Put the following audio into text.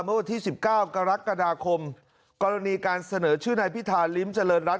เมื่อวันที่๑๙กรกฎาคมกรณีการเสนอชื่อนายพิธาริมเจริญรัฐ